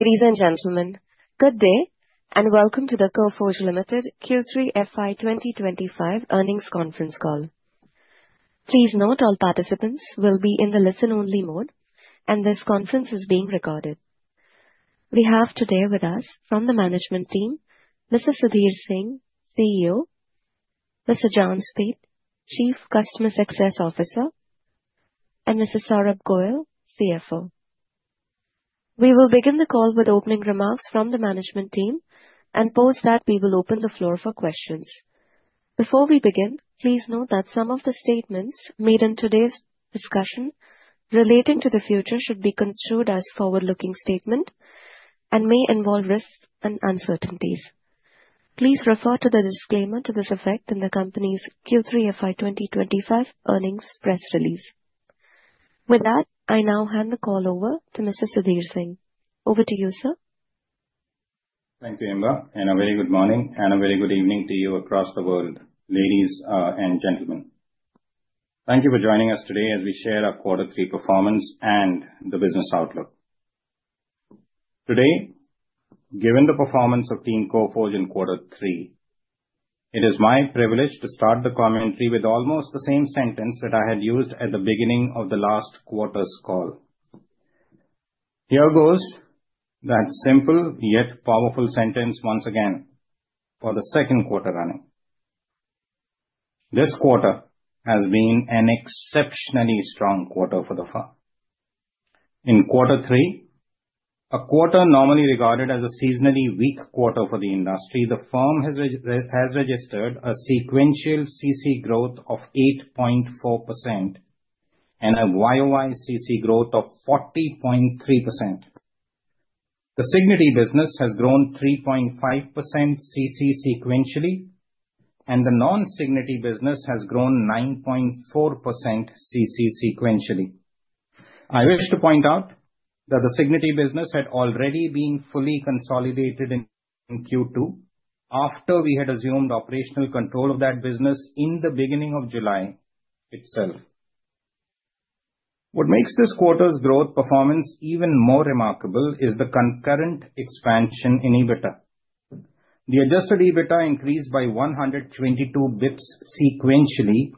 Ladies and gentlemen, good day and welcome to the Coforge Limited Q3 FY 2025 earnings conference call. Please note all participants will be in the listen-only mode, and this conference is being recorded. We have today with us from the management team, Mr. Sudhir Singh, CEO, Mr. John Speight, Chief Customer Success Officer, and Mr. Saurabh Goel, CFO. We will begin the call with opening remarks from the management team and post that we will open the floor for questions. Before we begin, please note that some of the statements made in today's discussion relating to the future should be construed as forward-looking statements and may involve risks and uncertainties. Please refer to the disclaimer to this effect in the company's Q3 FY 2025 earnings press release. With that, I now hand the call over to Mr. Sudhir Singh. Over to you, sir. Thank you, Amber, and a very good morning and a very good evening to you across the world, ladies and gentlemen. Thank you for joining us today as we share our Q3 performance and the business outlook. Today, given the performance of Team Coforge in Q3, it is my privilege to start the commentary with almost the same sentence that I had used at the beginning of the last quarter's call. Here goes that simple yet powerful sentence once again for the second quarter running. This quarter has been an exceptionally strong quarter for the firm. In Q3, a quarter normally regarded as a seasonally weak quarter for the industry, the firm has registered a sequential CC growth of 8.4% and a YOY CC growth of 40.3%. The Cigniti business has grown 3.5% CC sequentially, and the non-Cigniti business has grown 9.4% CC sequentially. I wish to point out that the Cigniti business had already been fully consolidated in Q2 after we had assumed operational control of that business in the beginning of July itself. What makes this quarter's growth performance even more remarkable is the concurrent expansion in EBITDA. The adjusted EBITDA increased by 122 basis points sequentially,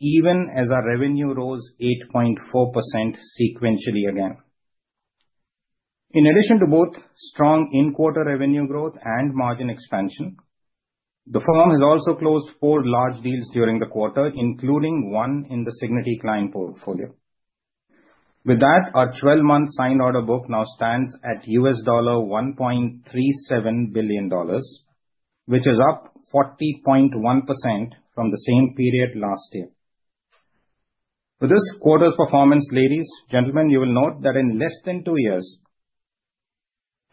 even as our revenue rose 8.4% sequentially again. In addition to both strong in-quarter revenue growth and margin expansion, the firm has also closed four large deals during the quarter, including one in the Cigniti client portfolio. With that, our 12-month signed order book now stands at $1.37 billion, which is up 40.1% from the same period last year. For this quarter's performance, ladies and gentlemen, you will note that in less than two years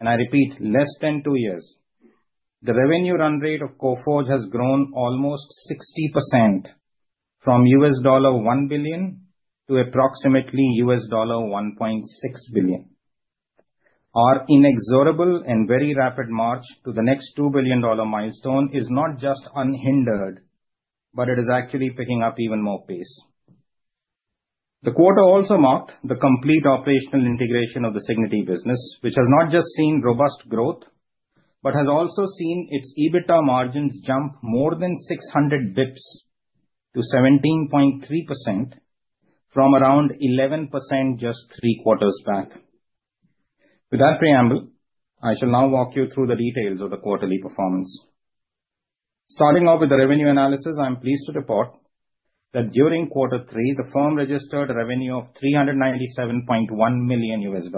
- and I repeat, less than two years - the revenue run rate of Coforge has grown almost 60% from $1 billion to approximately $1.6 billion. Our inexorable and very rapid march to the next $2 billion milestone is not just unhindered, but it is actually picking up even more pace. The quarter also marked the complete operational integration of the Cigniti business, which has not just seen robust growth but has also seen its EBITDA margins jump more than 600 basis points to 17.3% from around 11% just three quarters back. With that preamble, I shall now walk you through the details of the quarterly performance. Starting off with the revenue analysis, I'm pleased to report that during Q3, the firm registered a revenue of $397.1 million.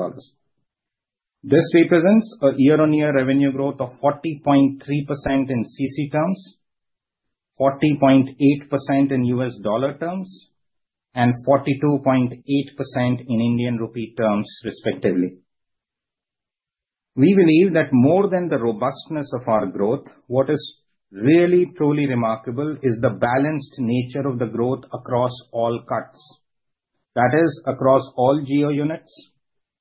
This represents a year-on-year revenue growth of 40.3% in CC terms, 40.8% in US dollar terms, and 42.8% in Indian rupee terms, respectively. We believe that more than the robustness of our growth, what is really truly remarkable is the balanced nature of the growth across all cuts, that is, across all geo units,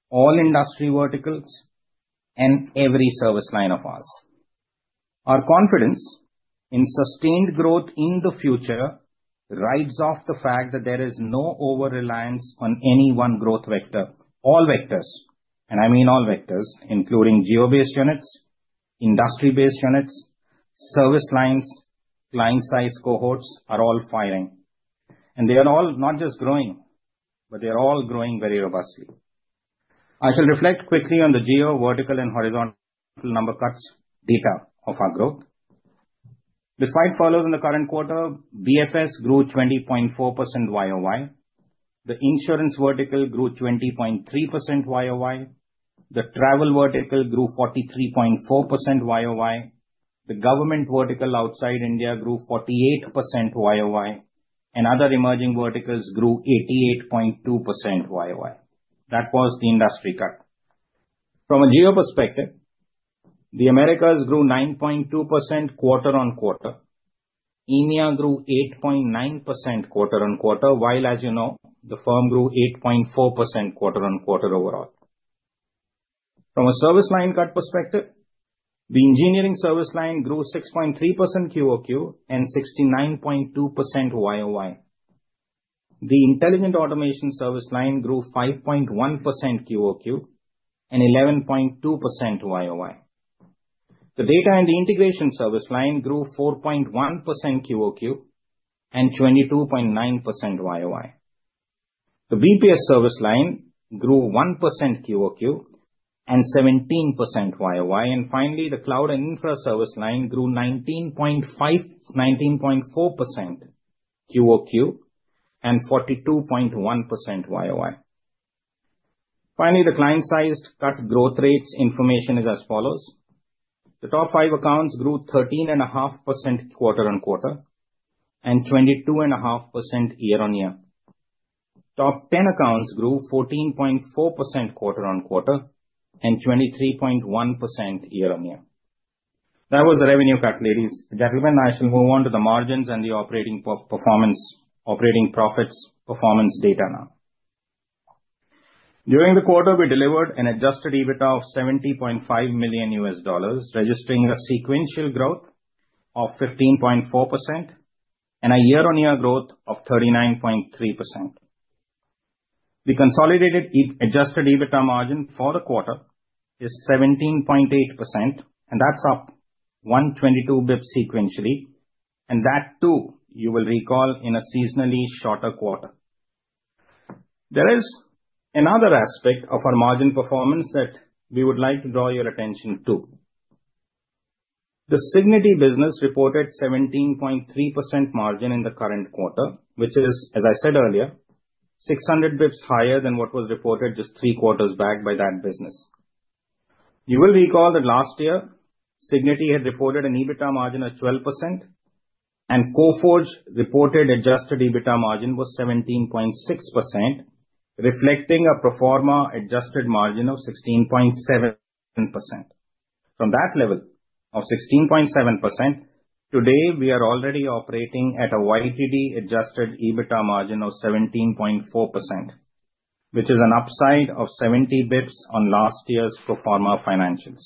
all industry verticals, and every service line of ours. Our confidence in sustained growth in the future rides off the fact that there is no over-reliance on any one growth vector. All vectors, and I mean all vectors, including geo-based units, industry-based units, service lines, client-size cohorts, are all firing, and they are all not just growing, but they are all growing very robustly. I shall reflect quickly on the geo, vertical, and horizontal number cuts data of our growth. Details follow in the current quarter: BFS grew 20.4% YOY, the insurance vertical grew 20.3% YOY, the travel vertical grew 43.4% YOY, the government vertical outside India grew 48% YOY, and other emerging verticals grew 88.2% YOY. That was the industry cut. From a geo perspective, the Americas grew 9.2% quarter on quarter. EMEA grew 8.9% quarter on quarter, while, as you know, the firm grew 8.4% quarter on quarter overall. From a service line cut perspective, the engineering service line grew 6.3% QOQ and 69.2% YOY. The intelligent automation service line grew 5.1% QOQ and 11.2% YOY. The data and the integration service line grew 4.1% QOQ and 22.9% YOY. The BPS service line grew 1% QOQ and 17% YOY. And finally, the cloud and infra service line grew 19.4% QOQ and 42.1% YOY. Finally, the client size cohort growth rates information is as follows: the top five accounts grew 13.5% quarter on quarter and 22.5% year-on-year. Top 10 accounts grew 14.4% quarter on quarter and 23.1% year-on-year. That was the revenue part, ladies and gentlemen. I shall move on to the margins and the operating performance, operating profits, performance data now. During the quarter, we delivered an Adjusted EBITDA of $70.5 million, registering a sequential growth of 15.4% and a year-on-year growth of 39.3%. The consolidated Adjusted EBITDA margin for the quarter is 17.8%, and that's up 122 basis points sequentially. And that, too, you will recall in a seasonally shorter quarter. There is another aspect of our margin performance that we would like to draw your attention to. The Cigniti business reported 17.3% margin in the current quarter, which is, as I said earlier, 600 basis points higher than what was reported just three quarters back by that business. You will recall that last year, Cigniti had reported an EBITDA margin of 12%, and Coforge reported adjusted EBITDA margin was 17.6%, reflecting a pro forma adjusted margin of 16.7%. From that level of 16.7%, today we are already operating at a YTD adjusted EBITDA margin of 17.4%, which is an upside of 70 basis points on last year's pro forma financials.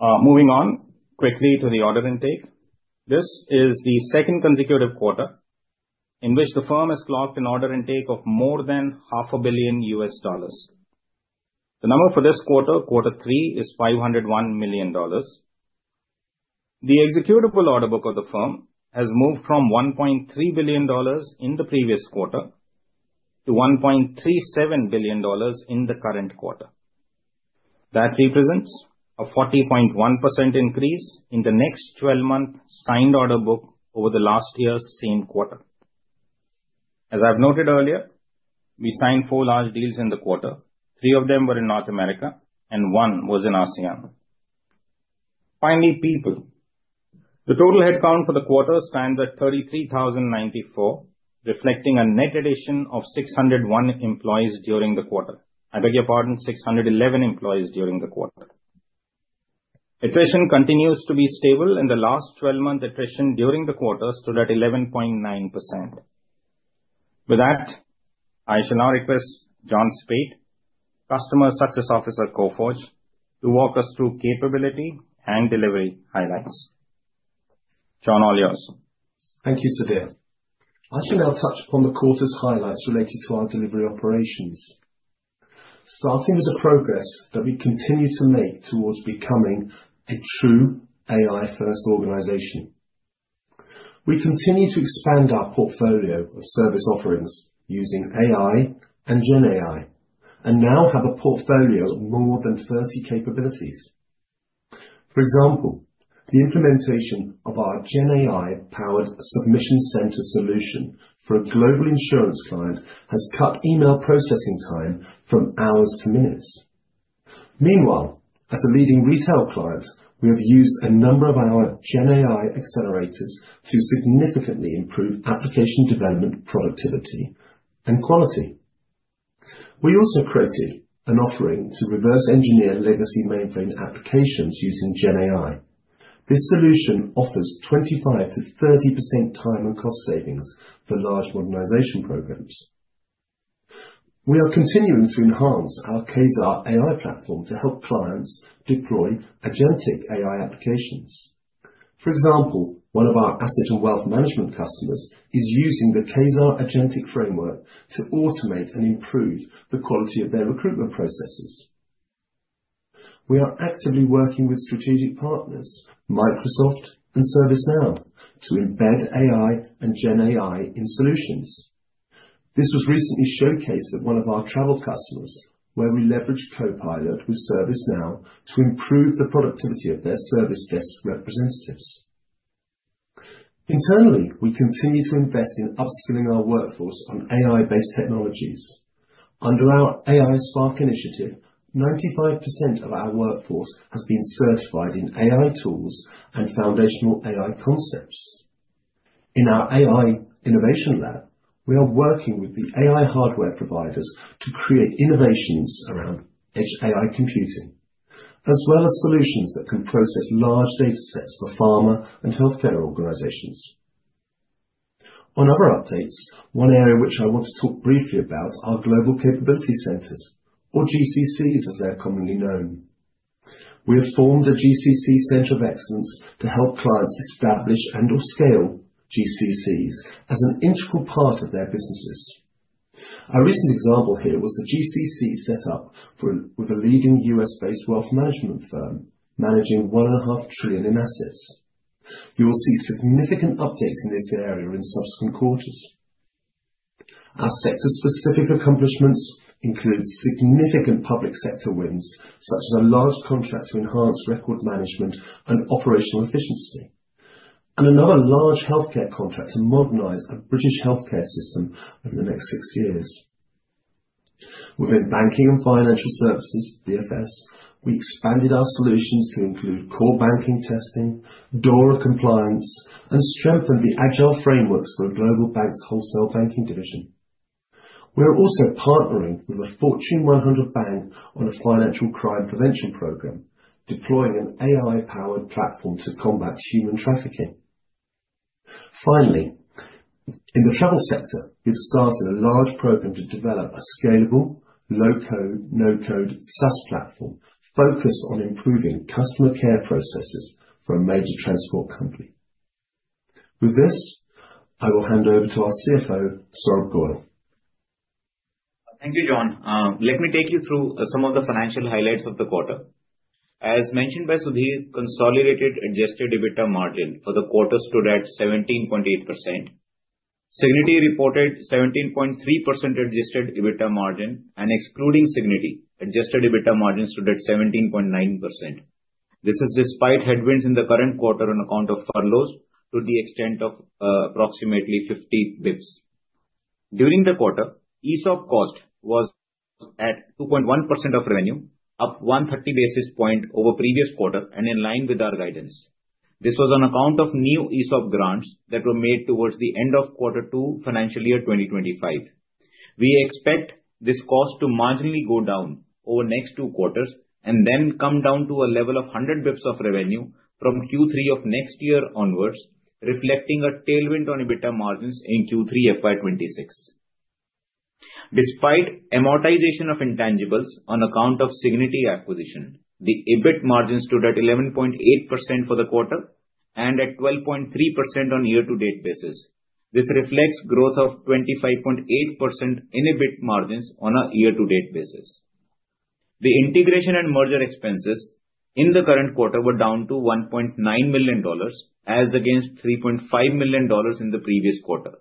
Moving on quickly to the order intake. This is the second consecutive quarter in which the firm has clocked an order intake of more than $500 million. The number for this quarter, Q3, is $501 million. The executable order book of the firm has moved from $1.3 billion in the previous quarter to $1.37 billion in the current quarter. That represents a 40.1% increase in the next 12-month signed order book over the last year's same quarter. As I've noted earlier, we signed four large deals in the quarter. Three of them were in North America, and one was in ASEAN. Finally, people. The total headcount for the quarter stands at 33,094, reflecting a net addition of 601 employees during the quarter. I beg your pardon, 611 employees during the quarter. Attrition continues to be stable, and the last 12-month attrition during the quarter stood at 11.9%. With that, I shall now request John Speight, Customer Success Officer at Coforge, to walk us through capability and delivery highlights. John, all yours. Thank you, Sudhir. I shall now touch upon the quarter's highlights related to our delivery operations. Starting with the progress that we continue to make towards becoming a true AI-first organization. We continue to expand our portfolio of service offerings using AI and GenAI, and now have a portfolio of more than 30 capabilities. For example, the implementation of our GenAI-powered submission center solution for a global insurance client has cut email processing time from hours to minutes. Meanwhile, as a leading retail client, we have used a number of our GenAI accelerators to significantly improve application development productivity and quality. We also created an offering to reverse engineer legacy mainframe applications using GenAI. This solution offers 25%-30% time and cost savings for large modernization programs. We are continuing to enhance our Quasar AI platform to help clients deploy agentic AI applications. For example, one of our asset and wealth management customers is using the Quasar agentic framework to automate and improve the quality of their recruitment processes. We are actively working with strategic partners, Microsoft and ServiceNow, to embed AI and GenAI in solutions. This was recently showcased at one of our travel customers where we leveraged Copilot with ServiceNow to improve the productivity of their service desk representatives. Internally, we continue to invest in upskilling our workforce on AI-based technologies. Under our AI Spark initiative, 95% of our workforce has been certified in AI tools and foundational AI concepts. In our AI innovation lab, we are working with the AI hardware providers to create innovations around edge AI computing, as well as solutions that can process large data sets for pharma and healthcare organizations. On other updates, one area which I want to talk briefly about are global capability centers, or GCCs as they're commonly known. We have formed a GCC center of excellence to help clients establish and/or scale GCCs as an integral part of their businesses. A recent example here was the GCC set up with a leading U.S.-based wealth management firm managing $1.5 trillion in assets. You will see significant updates in this area in subsequent quarters. Our sector-specific accomplishments include significant public sector wins, such as a large contract to enhance record management and operational efficiency, and another large healthcare contract to modernize a British healthcare system over the next six years. Within banking and financial services, BFS, we expanded our solutions to include core banking testing, DORA compliance, and strengthened the agile frameworks for a global bank's wholesale banking division. We are also partnering with a Fortune 100 bank on a financial crime prevention program, deploying an AI-powered platform to combat human trafficking. Finally, in the travel sector, we've started a large program to develop a scalable low-code, no-code SaaS platform focused on improving customer care processes for a major transport company. With this, I will hand over to our CFO, Saurabh Goel. Thank you, John. Let me take you through some of the financial highlights of the quarter. As mentioned by Sudhir, consolidated adjusted EBITDA margin for the quarter stood at 17.8%. Cigniti reported 17.3% adjusted EBITDA margin, and excluding Cigniti, adjusted EBITDA margin stood at 17.9%. This is despite headwinds in the current quarter on account of furloughs to the extent of approximately 50 basis points. During the quarter, ESOP cost was at 2.1% of revenue, up 130 basis points over previous quarter, and in line with our guidance. This was on account of new ESOP grants that were made towards the end of Q2 financial year 2025. We expect this cost to marginally go down over next two quarters and then come down to a level of 100 basis points of revenue from Q3 of next year onwards, reflecting a tailwind on EBITDA margins in Q3 FY26. Despite amortization of intangibles on account of Cigniti acquisition, the EBIT margin stood at 11.8% for the quarter and at 12.3% on year-to-date basis. This reflects growth of 25.8% in EBIT margins on a year-to-date basis. The integration and merger expenses in the current quarter were down to $1.9 million, as against $3.5 million in the previous quarter.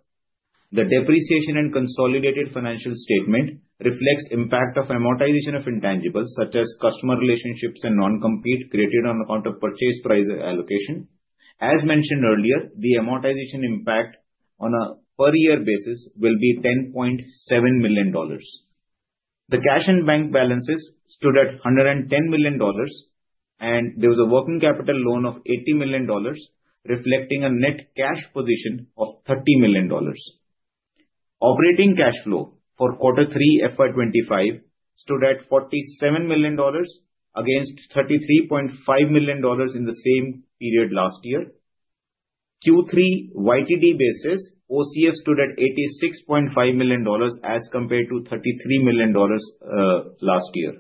The depreciation and consolidated financial statement reflects the impact of amortization of intangibles, such as customer relationships and non-compete created on account of purchase price allocation. As mentioned earlier, the amortization impact on a per-year basis will be $10.7 million. The cash and bank balances stood at $110 million, and there was a working capital loan of $80 million, reflecting a net cash position of $30 million. Operating cash flow for Q3 FY25 stood at $47 million, against $33.5 million in the same period last year. Q3 YTD basis, OCF stood at $86.5 million, as compared to $33 million last year.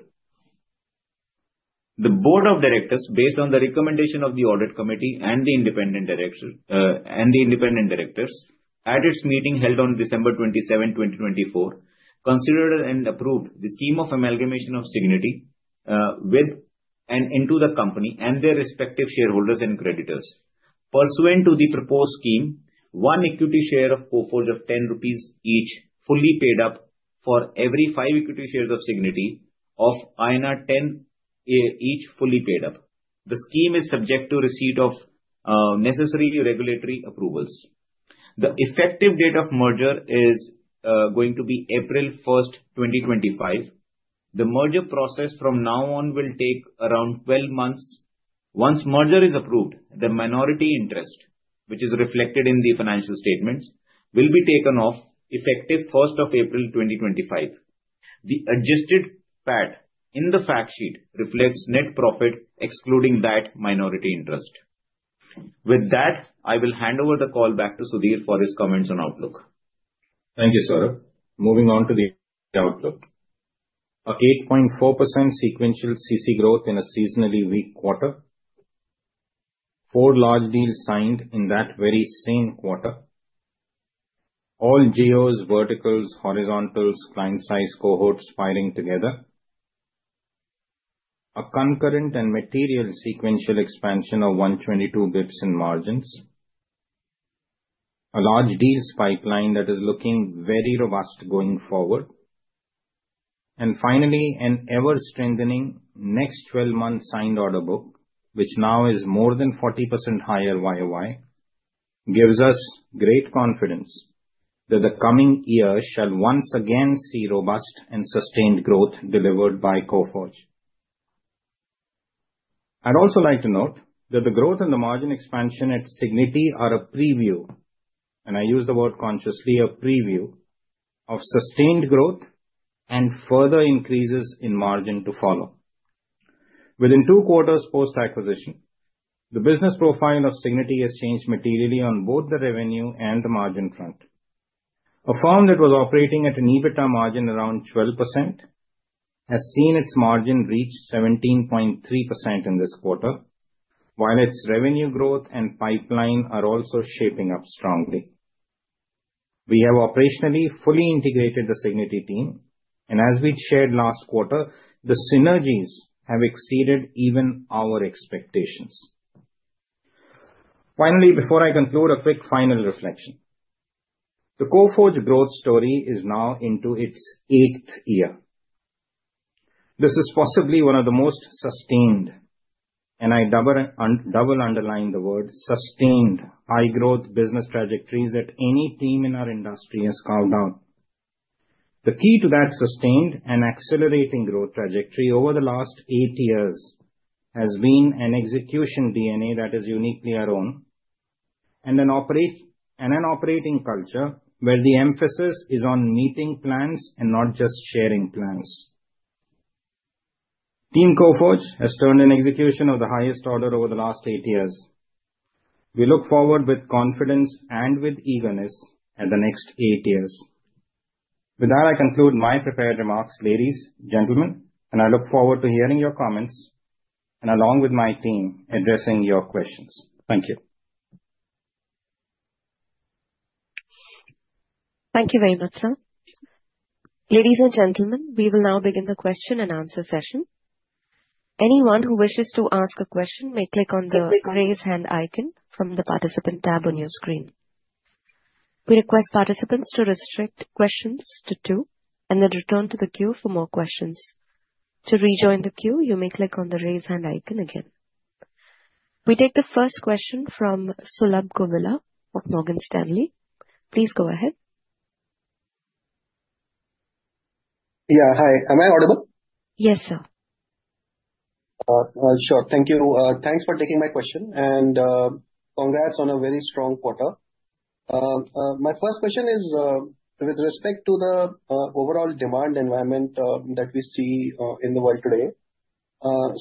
The Board of Directors, based on the recommendation of the Audit Committee and the independent directors, at its meeting held on December 27, 2024, considered and approved the scheme of amalgamation of Cigniti with and into the company and their respective shareholders and creditors. Pursuant to the proposed scheme, one equity share of Coforge of 10 rupees each fully paid up for every five equity shares of Cigniti of 10 each fully paid up. The scheme is subject to receipt of necessary regulatory approvals. The effective date of merger is going to be April 1, 2025. The merger process from now on will take around 12 months. Once merger is approved, the minority interest, which is reflected in the financial statements, will be taken off effective April 1, 2025. The adjusted PAT in the factsheet reflects net profit, excluding that minority interest. With that, I will hand over the call back to Sudhir for his comments on outlook. Thank you, Saurabh. Moving on to the outlook. An 8.4% sequential CC growth in a seasonally weak quarter. Four large deals signed in that very same quarter. All geos, verticals, horizontals, client-sized cohorts conspiring together. A concurrent and material sequential expansion of 122 basis points in margins. A large deals pipeline that is looking very robust going forward. And finally, an ever-strengthening next 12-month signed order book, which now is more than 40% higher YOY, gives us great confidence that the coming year shall once again see robust and sustained growth delivered by Coforge. I'd also like to note that the growth and the margin expansion at Cigniti are a preview, and I use the word consciously, a preview of sustained growth and further increases in margin to follow. Within two quarters post-acquisition, the business profile of Cigniti has changed materially on both the revenue and the margin front. A firm that was operating at an EBITDA margin around 12% has seen its margin reach 17.3% in this quarter, while its revenue growth and pipeline are also shaping up strongly. We have operationally fully integrated the Cigniti team, and as we shared last quarter, the synergies have exceeded even our expectations. Finally, before I conclude, a quick final reflection. The Coforge growth story is now into its eighth year. This is possibly one of the most sustained, and I double underline the word sustained, high-growth business trajectories that any team in our industry has carved out. The key to that sustained and accelerating growth trajectory over the last eight years has been an execution DNA that is uniquely our own and an operating culture where the emphasis is on meeting plans and not just sharing plans. Team Coforge has turned in execution of the highest order over the last eight years. We look forward with confidence and with eagerness at the next eight years. With that, I conclude my prepared remarks, ladies, gentlemen, and I look forward to hearing your comments and, along with my team, addressing your questions. Thank you. Thank you very much, sir. Ladies and gentlemen, we will now begin the question and answer session. Anyone who wishes to ask a question may click on the raise hand icon from the participant tab on your screen. We request participants to restrict questions to two and then return to the queue for more questions. To rejoin the queue, you may click on the raise hand icon again. We take the first question from Saurabh Goel of Morgan Stanley. Please go ahead. Yeah, hi. Am I audible? Yes, sir. Sure. Thank you. Thanks for taking my question, and congrats on a very strong quarter. My first question is with respect to the overall demand environment that we see in the world today,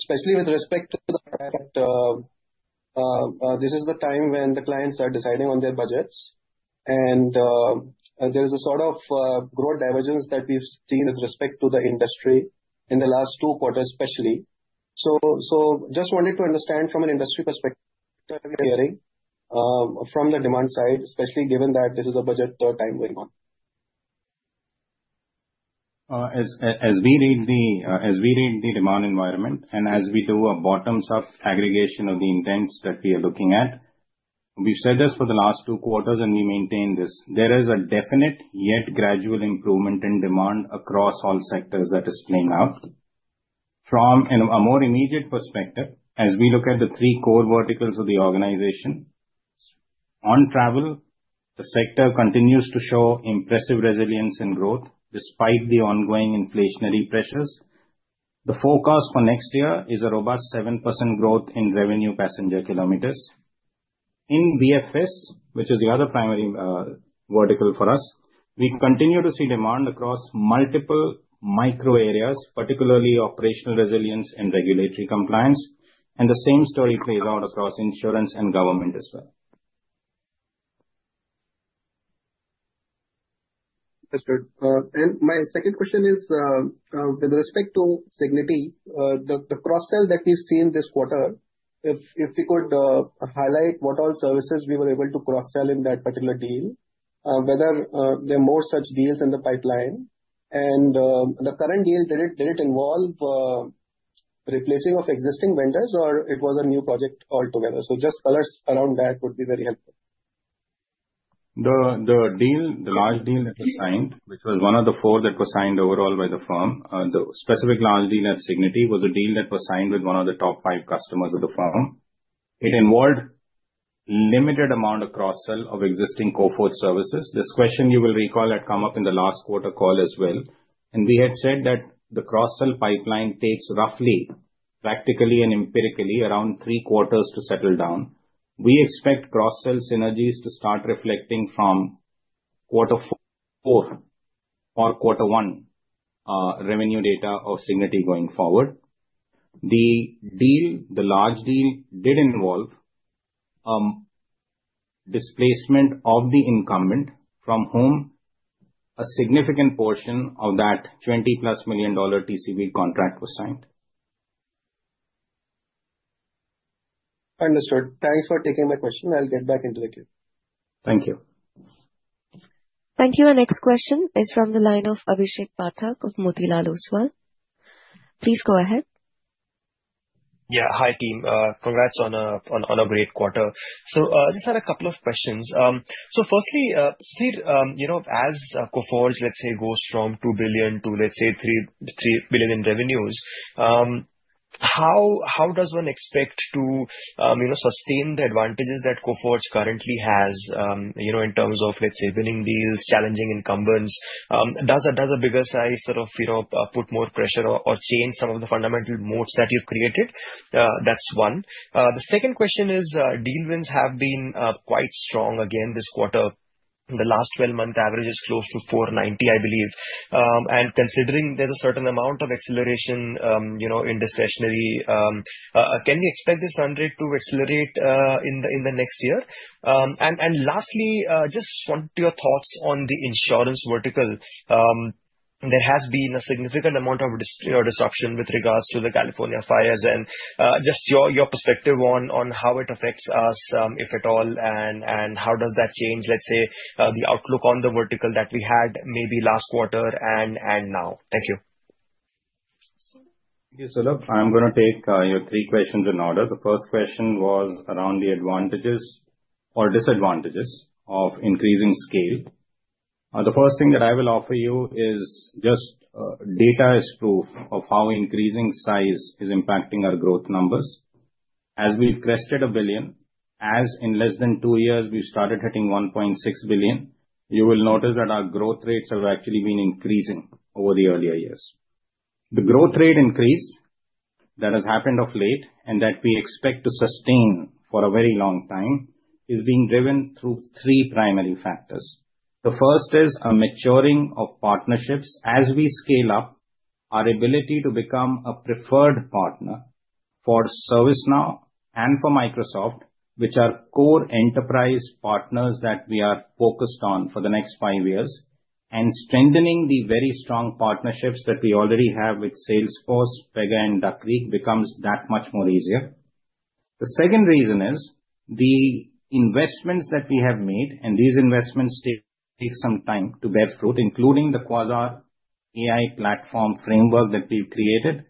especially with respect to the fact that this is the time when the clients are deciding on their budgets, and there is a sort of growth divergence that we've seen with respect to the industry in the last two quarters, especially. So just wanted to understand from an industry perspective what we're hearing from the demand side, especially given that this is a budget time going on? As we read the demand environment and as we do a bottoms-up aggregation of the intents that we are looking at, we've said this for the last two quarters, and we maintain this. There is a definite yet gradual improvement in demand across all sectors that is playing out. From a more immediate perspective, as we look at the three core verticals of the organization, on travel, the sector continues to show impressive resilience and growth despite the ongoing inflationary pressures. The forecast for next year is a robust 7% growth in revenue passenger kilometers. In BFS, which is the other primary vertical for us, we continue to see demand across multiple micro areas, particularly operational resilience and regulatory compliance, and the same story plays out across insurance and government as well. Understood. And my second question is with respect to Cigniti, the cross-sell that we've seen this quarter, if we could highlight what all services we were able to cross-sell in that particular deal, whether there are more such deals in the pipeline, and the current deal, did it involve replacing of existing vendors, or it was a new project altogether? So just colors around that would be very helpful. The large deal that was signed, which was one of the four that were signed overall by the firm. The specific large deal at Cigniti was a deal that was signed with one of the top five customers of the firm. It involved a limited amount of cross-sell of existing Coforge services. This question, you will recall, had come up in the last quarter call as well, and we had said that the cross-sell pipeline takes roughly, practically, and empirically, around three quarters to settle down. We expect cross-sell synergies to start reflecting from quarter four or quarter one revenue data of Cigniti going forward. The large deal did involve a displacement of the incumbent from whom a significant portion of that $20-plus million TCV contract was signed. Understood. Thanks for taking my question. I'll get back into the queue. Thank you. Thank you. Our next question is from the line of Abhishek Pathak of Motilal Oswal. Please go ahead. Yeah, hi, team. Congrats on a great quarter. So I just had a couple of questions. So firstly, Sudhir, as Coforge, let's say, goes from $2 billion to, let's say, $3 billion in revenues, how does one expect to sustain the advantages that Coforge currently has in terms of, let's say, winning deals, challenging incumbents? That's one. The second question is deal wins have been quite strong again this quarter. The last 12-month average is close to 490, I believe. And considering there's a certain amount of acceleration in discretionary, can we expect this run rate to accelerate in the next year? And lastly, just want your thoughts on the insurance vertical. There has been a significant amount of disruption with regards to the California fires and just your perspective on how it affects us, if at all, and how does that change, let's say, the outlook on the vertical that we had maybe last quarter and now? Thank you. Thank you, Abhishek. I'm going to take your three questions in order. The first question was around the advantages or disadvantages of increasing scale. The first thing that I will offer you is just data is proof of how increasing size is impacting our growth numbers. As we've crested $1 billion, as in less than two years, we've started hitting $1.6 billion, you will notice that our growth rates have actually been increasing over the earlier years. The growth rate increase that has happened of late and that we expect to sustain for a very long time is being driven through three primary factors. The first is a maturing of partnerships as we scale up our ability to become a preferred partner for ServiceNow and for Microsoft, which are core enterprise partners that we are focused on for the next five years, and strengthening the very strong partnerships that we already have with Salesforce, Pega, and Duck Creek becomes that much more easier. The second reason is the investments that we have made, and these investments take some time to bear fruit, including the Quasar AI platform framework that we've created.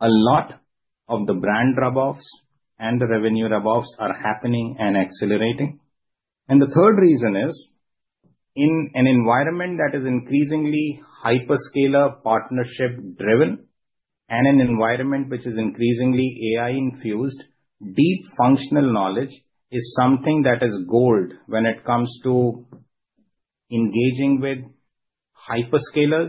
A lot of the brand rub-offs and the revenue rub-offs are happening and accelerating. And the third reason is in an environment that is increasingly hyperscaler partnership-driven and an environment which is increasingly AI-infused, deep functional knowledge is something that is gold when it comes to engaging with hyperscalers,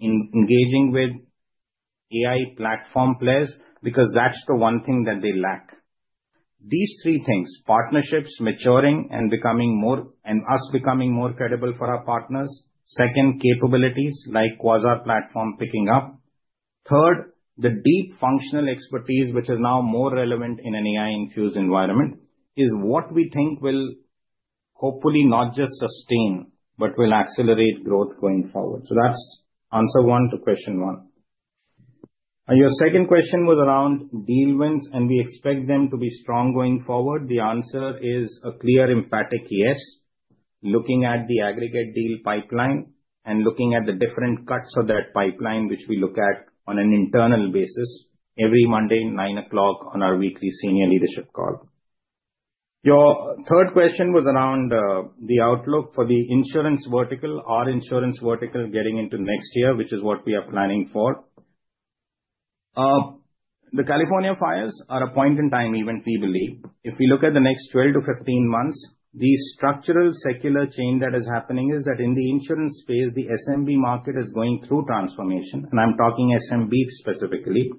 engaging with AI platform players because that's the one thing that they lack. These three things: partnerships maturing and us becoming more credible for our partners. Second, capabilities like Quasar platform picking up. Third, the deep functional expertise, which is now more relevant in an AI-infused environment, is what we think will hopefully not just sustain but will accelerate growth going forward. So that's answer one to question one. Your second question was around deal wins, and we expect them to be strong going forward. The answer is a clear, emphatic yes, looking at the aggregate deal pipeline and looking at the different cuts of that pipeline, which we look at on an internal basis every Monday at 9:00 A.M. on our weekly senior leadership call. Your third question was around the outlook for the insurance vertical, our insurance vertical getting into next year, which is what we are planning for. The California fires are a point in time, even we believe. If we look at the next 12 to 15 months, the structural secular change that is happening is that in the insurance space, the SMB market is going through transformation, and I'm talking SMB specifically,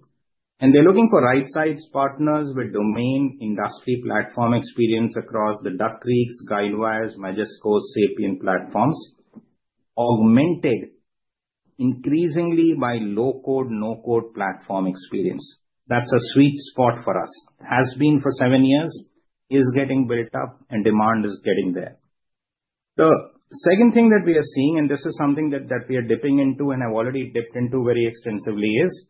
and they're looking for right-sized partners with domain industry platform experience across the Duck Creek, Guidewire, Majesco, Sapiens platforms, augmented increasingly by low-code/no-code platform experience. That's a sweet spot for us. [It] has been for seven years, is getting built up, and demand is getting there. The second thing that we are seeing, and this is something that we are dipping into and have already dipped into very extensively, is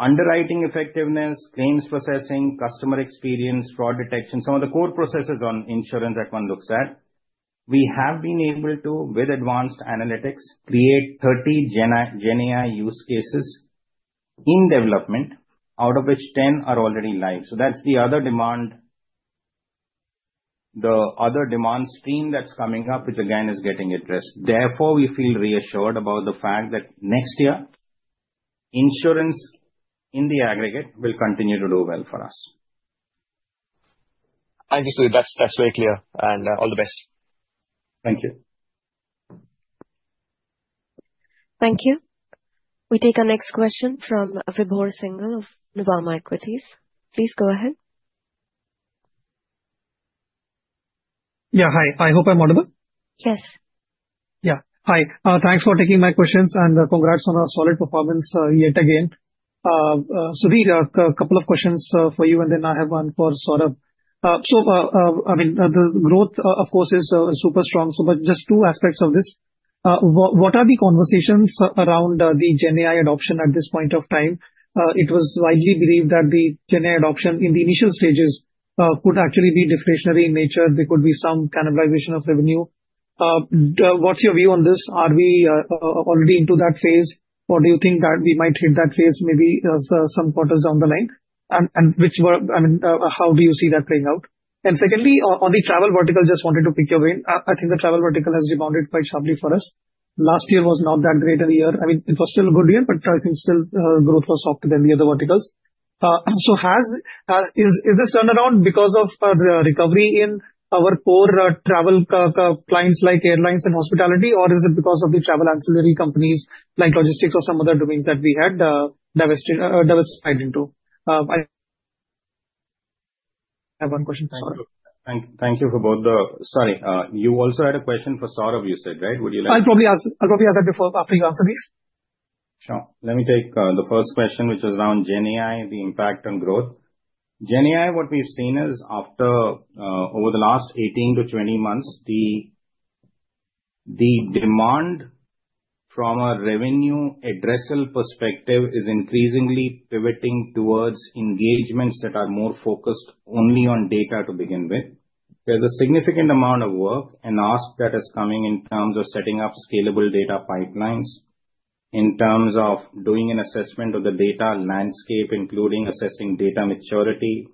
underwriting effectiveness, claims processing, customer experience, fraud detection, some of the core processes on insurance that one looks at. We have been able to, with advanced analytics, create 30 GenAI use cases in development, out of which 10 are already live. So that's the other demand. The other demand stream that's coming up, which again is getting addressed. Therefore, we feel reassured about the fact that next year, insurance in the aggregate will continue to do well for us. Thank you, Sudhir. That's very clear, and all the best. Thank you. Thank you. We take our next question from Vibhor Singhal of Nuvama Equities. Please go ahead. Yeah, hi. I hope I'm audible? Yes. Yeah. Hi. Thanks for taking my questions, and congrats on our solid performance yet again. Sudhir, a couple of questions for you, and then I have one for Saurabh. So I mean, the growth, of course, is super strong. So just two aspects of this. What are the conversations around the GenAI adoption at this point of time? It was widely believed that the GenAI adoption in the initial stages could actually be discretionary in nature. There could be some cannibalization of revenue. What's your view on this? Are we already into that phase? Or do you think that we might hit that phase maybe some quarters down the line? And I mean, how do you see that playing out? And secondly, on the travel vertical, just wanted to pick your brain. I think the travel vertical has rebounded quite sharply for us. Last year was not that great a year. I mean, it was still a good year, but I think still growth was softer than the other verticals. So is this turnaround because of the recovery in our core travel clients like airlines and hospitality, or is it because of the travel ancillary companies like logistics or some other domains that we had divested into? I have one question for Saurabh. Thank you for both the - sorry. You also had a question for Saurabh, you said, right? Would you like to? I'll probably ask that before you answer these. Sure. Let me take the first question, which is around GenAI, the impact on growth. GenAI, what we've seen is over the last 18-20 months, the demand from a revenue addressal perspective is increasingly pivoting towards engagements that are more focused only on data to begin with. There's a significant amount of work and ask that is coming in terms of setting up scalable data pipelines, in terms of doing an assessment of the data landscape, including assessing data maturity,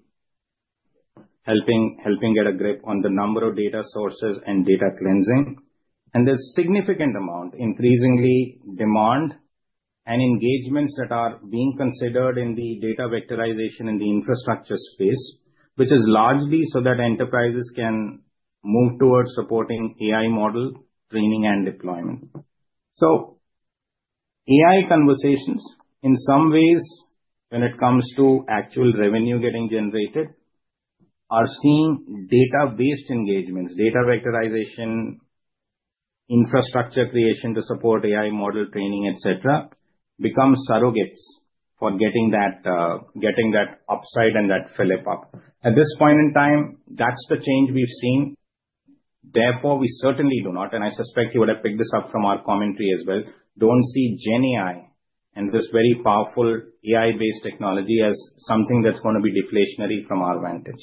helping get a grip on the number of data sources and data cleansing, and there's a significant amount, increasingly, demand and engagements that are being considered in the data vectorization and the infrastructure space, which is largely so that enterprises can move towards supporting AI model training and deployment. So AI conversations, in some ways, when it comes to actual revenue getting generated, are seeing data-based engagements, data vectorization, infrastructure creation to support AI model training, etc., become surrogates for getting that upside and that fill-up. At this point in time, that's the change we've seen. Therefore, we certainly do not, and I suspect you would have picked this up from our commentary as well, don't see GenAI and this very powerful AI-based technology as something that's going to be deflationary from our vantage.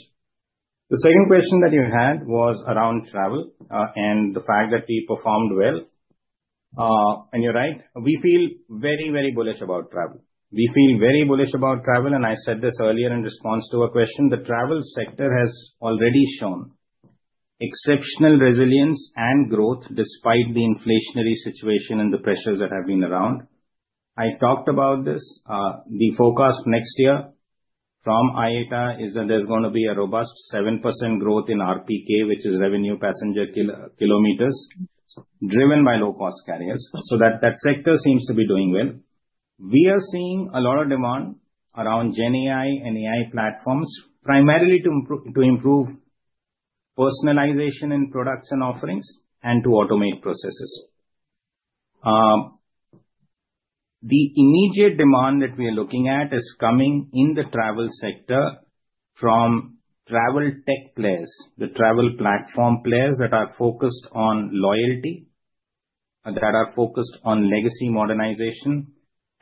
The second question that you had was around travel and the fact that we performed well. And you're right. We feel very, very bullish about travel. We feel very bullish about travel. And I said this earlier in response to a question. The travel sector has already shown exceptional resilience and growth despite the inflationary situation and the pressures that have been around. I talked about this. The forecast next year from IATA is that there's going to be a robust 7% growth in RPK, which is revenue passenger kilometers, driven by low-cost carriers, so that sector seems to be doing well. We are seeing a lot of demand around GenAI and AI platforms, primarily to improve personalization in production offerings and to automate processes. The immediate demand that we are looking at is coming in the travel sector from travel tech players, the travel platform players that are focused on loyalty, that are focused on legacy modernization,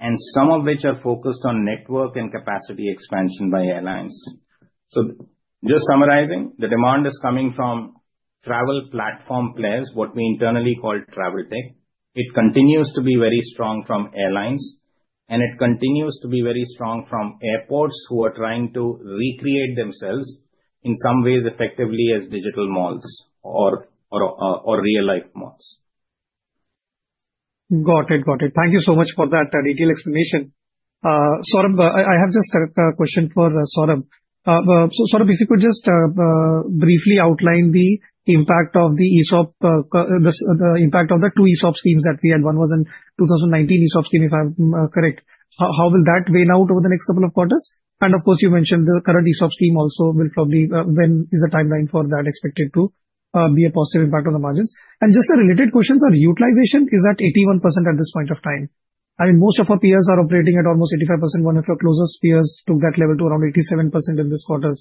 and some of which are focused on network and capacity expansion by airlines, so just summarizing, the demand is coming from travel platform players, what we internally call travel tech. It continues to be very strong from airlines, and it continues to be very strong from airports who are trying to recreate themselves in some ways effectively as digital malls or real-life malls. Got it. Got it. Thank you so much for that detailed explanation. Saurabh, I have just a question for Saurabh. So Saurabh, if you could just briefly outline the impact of the two ESOP schemes that we had. One was a 2019 ESOP scheme, if I'm correct. How will that wane out over the next couple of quarters? And of course, you mentioned the current ESOP scheme also will probably, when is the timeline for that expected to be a positive impact on the margins? And just a related question on utilization. Is that 81% at this point of time? I mean, most of our peers are operating at almost 85%. One of your closest peers took that level to around 87% in this quarter.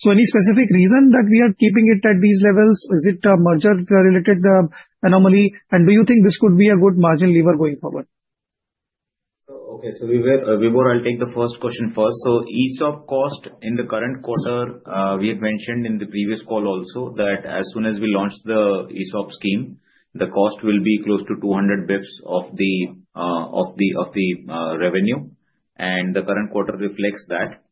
So any specific reason that we are keeping it at these levels? Is it a merger-related anomaly? Do you think this could be a good margin lever going forward? Okay. So Vibhor, I'll take the first question first. So ESOP cost in the current quarter, we had mentioned in the previous call also that as soon as we launch the ESOP scheme, the cost will be close to 200 basis points of the revenue. And the current quarter reflects that.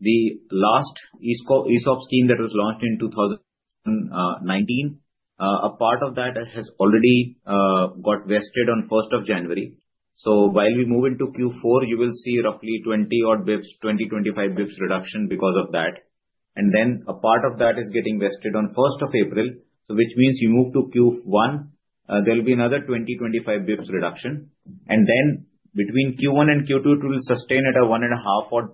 The last ESOP scheme that was launched in 2019, a part of that has already got vested on 1st of January. So while we move into Q4, you will see roughly 20 or 25 basis points reduction because of that. And then a part of that is getting vested on 1st of April, which means you move to Q1, there'll be another 20 or 25 basis points reduction. And then between Q1 and Q2, it will sustain at a 1.5%.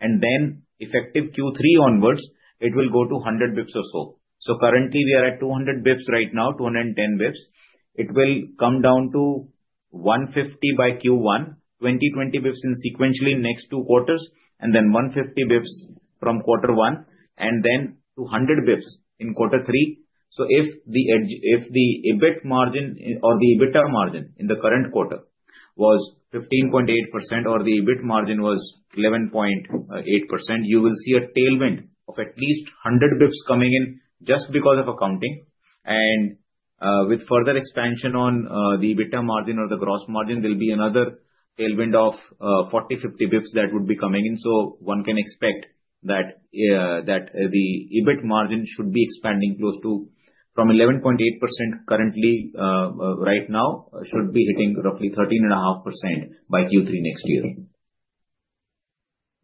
And then effective Q3 onwards, it will go to 100 basis points or so. So currently, we are at 200 basis points right now, 210 basis points. It will come down to 150 basis points by Q1 2020 in sequentially next two quarters, and then 150 basis points from quarter one, and then 200 basis points in quarter three. So if the EBIT margin or the EBITDA margin in the current quarter was 15.8% or the EBIT margin was 11.8%, you will see a tailwind of at least 100 basis points coming in just because of accounting. And with further expansion on the EBITDA margin or the gross margin, there'll be another tailwind of 40-50 basis points that would be coming in. So one can expect that the EBIT margin should be expanding close to from 11.8% currently right now, should be hitting roughly 13.5% by Q3 next year.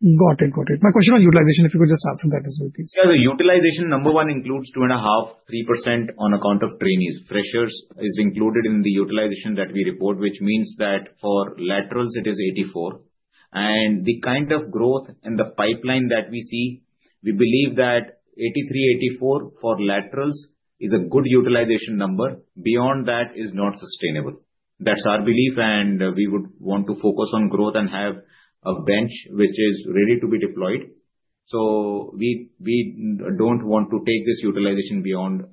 Got it. Got it. My question on utilization, if you could just answer that as well, please. Yeah. The utilization number one includes 2.5%-3% on account of trainees. Freshers is included in the utilization that we report, which means that for laterals, it is 84%, and the kind of growth and the pipeline that we see, we believe that 83%-84% for laterals is a good utilization number. Beyond that is not sustainable. That's our belief, and we would want to focus on growth and have a bench which is ready to be deployed. So we don't want to take this utilization beyond 83%-84%.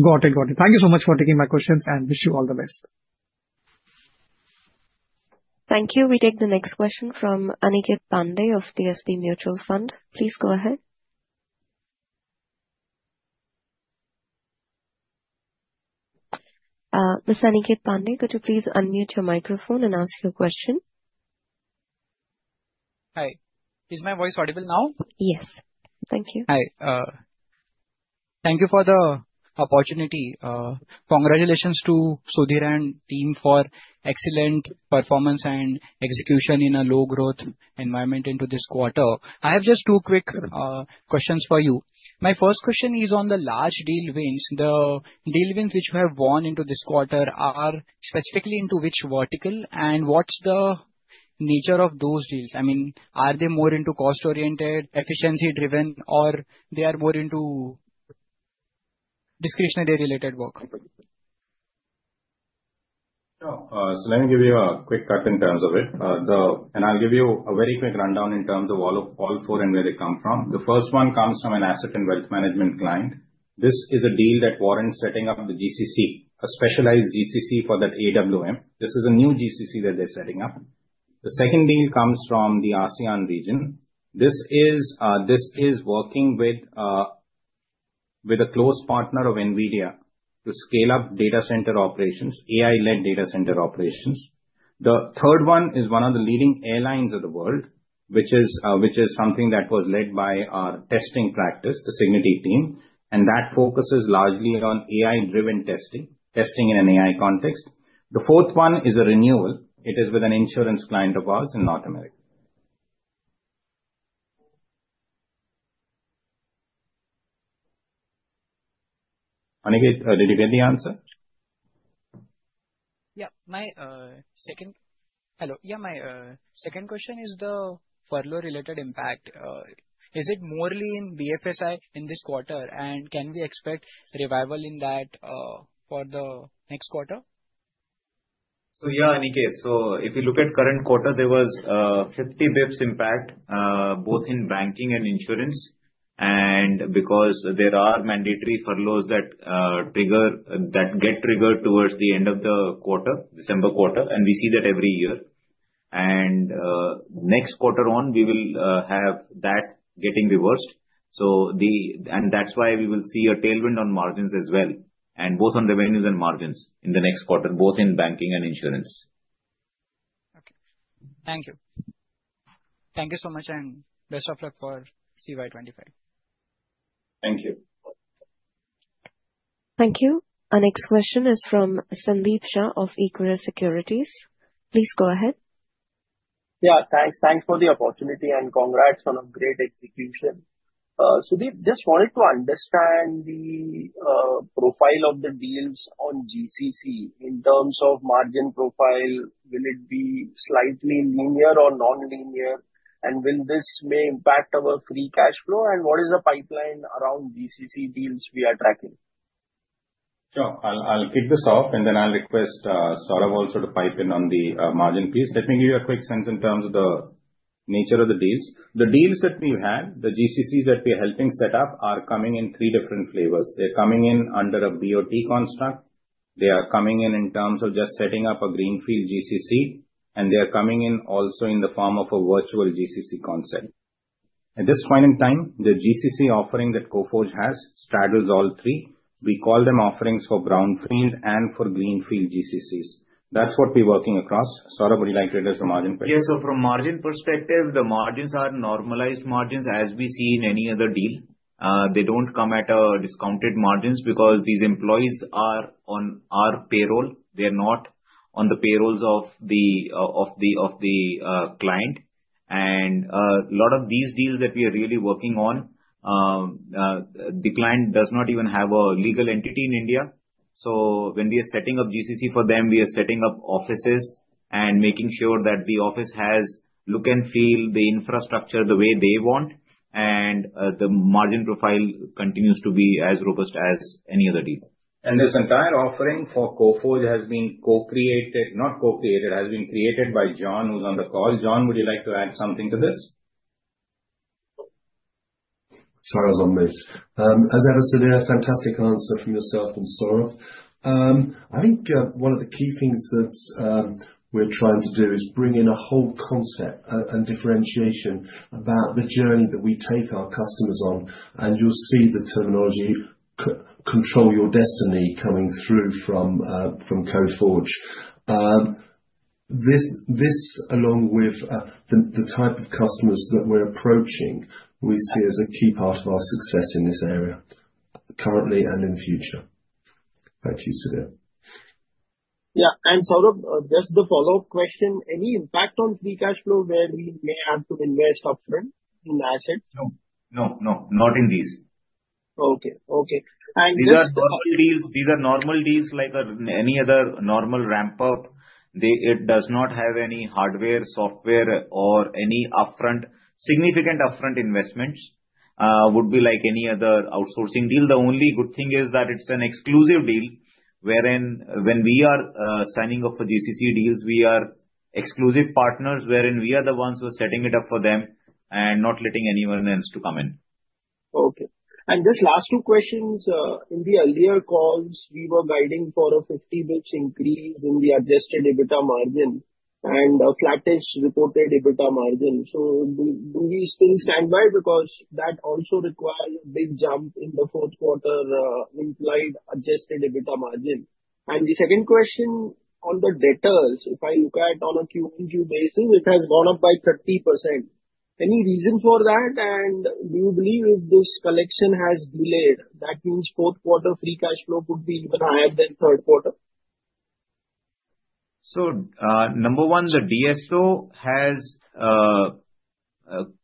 Got it. Got it. Thank you so much for taking my questions and wish you all the best. Thank you. We take the next question from Aniket Pande of DSP Mutual Fund. Please go ahead. Mr. Aniket Pande, could you please unmute your microphone and ask your question? Hi. Is my voice audible now? Yes. Thank you. Hi. Thank you for the opportunity. Congratulations to Sudhir and team for excellent performance and execution in a low-growth environment into this quarter. I have just two quick questions for you. My first question is on the large deal wins. The deal wins which you have won into this quarter are specifically into which vertical, and what's the nature of those deals? I mean, are they more into cost-oriented, efficiency-driven, or they are more into discretionary-related work? So let me give you a quick cut in terms of it. And I'll give you a very quick rundown in terms of all four and where they come from. The first one comes from an asset and wealth management client. This is a deal that we're setting up the GCC, a specialized GCC for that AWM. This is a new GCC that they're setting up. The second deal comes from the ASEAN region. This is working with a close partner of NVIDIA to scale up data center operations, AI-led data center operations. The third one is one of the leading airlines of the world, which is something that was led by our testing practice, the Cigniti team, and that focuses largely on AI-driven testing, testing in an AI context. The fourth one is a renewal. It is with an insurance client of ours in North America. Aniket, did you get the answer? Yeah. My second hello. Yeah, my second question is the furlough-related impact. Is it mainly in BFSI in this quarter, and can we expect revival in that for the next quarter? Yeah, Aniket. If you look at the current quarter, there was 50 basis points impact both in banking and insurance. Because there are mandatory furloughs that get triggered towards the end of the quarter, December quarter, and we see that every year. Next quarter on, we will have that getting reversed. That's why we will see a tailwind on margins as well, both on revenues and margins in the next quarter, both in banking and insurance. Okay. Thank you. Thank you so much, and best of luck for CY25. Thank you. Thank you. Our next question is from Sandeep Shah of Equirus Securities. Please go ahead. Yeah. Thanks. Thanks for the opportunity and congrats on a great execution. Sudhir, just wanted to understand the profile of the deals on GCC in terms of margin profile. Will it be slightly linear or non-linear? And will this may impact our free cash flow? And what is the pipeline around GCC deals we are tracking? Sure. I'll kick this off, and then I'll request Saurabh also to pipe in on the margin piece. Let me give you a quick sense in terms of the nature of the deals. The deals that we've had, the GCCs that we're helping set up, are coming in three different flavors. They're coming in under a BOT construct. They are coming in in terms of just setting up a greenfield GCC, and they are coming in also in the form of a virtual GCC concept. At this point in time, the GCC offering that Coforge has straddles all three. We call them offerings for brownfield and for greenfield GCCs. That's what we're working across. Saurabh, would you like to address the margin perspective? Yeah. So from margin perspective, the margins are normalized margins as we see in any other deal. They don't come at discounted margins because these employees are on our payroll. They're not on the payrolls of the client. And a lot of these deals that we are really working on, the client does not even have a legal entity in India. So when we are setting up GCC for them, we are setting up offices and making sure that the office has look and feel, the infrastructure the way they want, and the margin profile continues to be as robust as any other deal. And this entire offering for Coforge has been co-created not co-created, has been created by John, who's on the call. John, would you like to add something to this? Sorry, I was on mute. As ever, Sudhir, fantastic answer from yourself and Saurabh. I think one of the key things that we're trying to do is bring in a whole concept and differentiation about the journey that we take our customers on, and you'll see the terminology control your destiny coming through from Coforge. This, along with the type of customers that we're approaching, we see as a key part of our success in this area currently and in the future. Back to you, Sudhir. Yeah, and Saurabh, just the follow-up question. Any impact on free cash flow where we may have to invest upfront in assets? No. No. No. Not in these. Okay. And. These are normal deals. These are normal deals like any other normal ramp-up. It does not have any hardware, software, or any significant upfront investments. It would be like any other outsourcing deal. The only good thing is that it's an exclusive deal, wherein, when we are signing off for GCC deals, we are exclusive partners, wherein we are the ones who are setting it up for them and not letting anyone else to come in. Okay. And just last two questions. In the earlier calls, we were guiding for a 50 basis points increase in the adjusted EBITDA margin and a flattish reported EBITDA margin. So do we still stand by? Because that also requires a big jump in the fourth quarter implied adjusted EBITDA margin. And the second question on the debtors, if I look at on a Q&Q basis, it has gone up by 30%. Any reason for that? And do you believe if this collection has delayed, that means fourth quarter free cash flow could be even higher than third quarter? Number one, the DSO has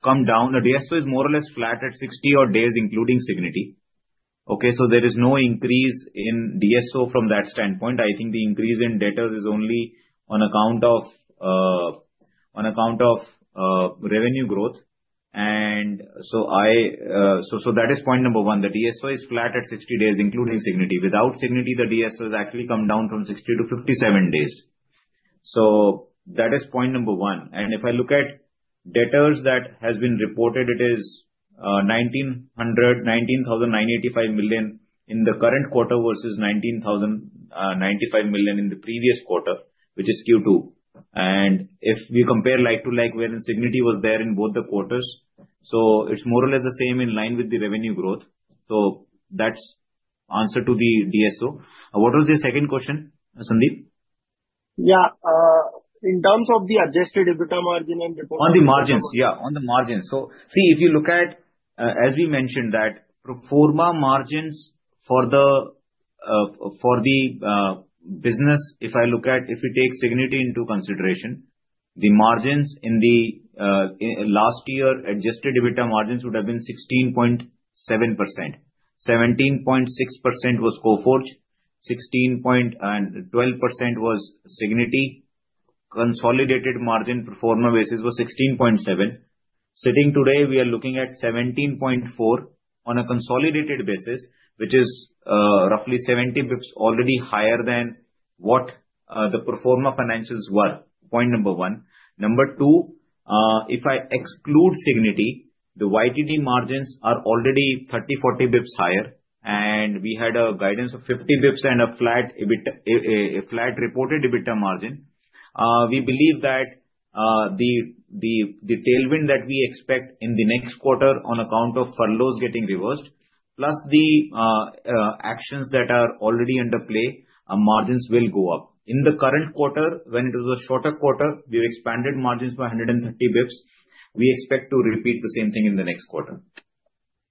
come down. The DSO is more or less flat at 60 odd days, including Cigniti. Okay? So there is no increase in DSO from that standpoint. I think the increase in debtors is only on account of revenue growth. And so that is point number one. The DSO is flat at 60 days, including Cigniti. Without Cigniti, the DSO has actually come down from 60 to 57 days. So that is point number one. And if I look at debtors that have been reported, it is 19,985 million in the current quarter versus 19,095 million in the previous quarter, which is Q2. And if we compare like to like wherein Cigniti was there in both the quarters, so it's more or less the same in line with the revenue growth. So that's answer to the DSO. What was the second question, Sandeep? Yeah. In terms of the Adjusted EBITDA margin and reported EBITDA margins. On the margins. Yeah. On the margins. So see, if you look at, as we mentioned, that pro forma margins for the business, if I look at if we take Cigniti into consideration, the margins in the last year adjusted EBITDA margins would have been 16.7%. 17.6% was Coforge. 12% was Cigniti. Consolidated margin pro forma basis was 16.7%. Sitting today, we are looking at 17.4% on a consolidated basis, which is roughly 70 basis points already higher than what the pro forma financials were. Point number one. Number two, if I exclude Cigniti, the YTD margins are already 30-40 basis points higher. And we had a guidance of 50 basis points and a flat reported EBITDA margin. We believe that the tailwind that we expect in the next quarter on account of furloughs getting reversed, plus the actions that are already under play, margins will go up. In the current quarter, when it was a shorter quarter, we've expanded margins by 130 basis points. We expect to repeat the same thing in the next quarter.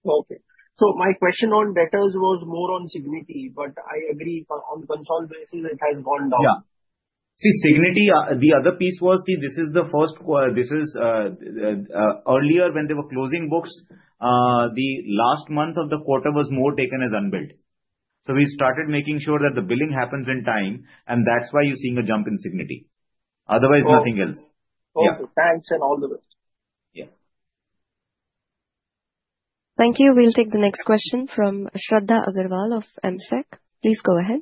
Okay. So my question on debtors was more on Cigniti, but I agree on consolidation. It has gone down. Yeah. See, Cigniti, the other piece was, see, this is the first. This is earlier when they were closing books, the last month of the quarter was more taken as unbilled. So we started making sure that the billing happens in time, and that's why you're seeing a jump in Cigniti. Otherwise, nothing else. Okay. Thanks and all the best. Yeah. Thank you. We'll take the next question from Shraddha Agrawal of AMSEC. Please go ahead.